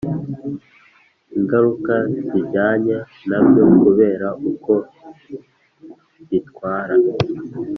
ingaruka zijyanye nabyo kubera uko bitwra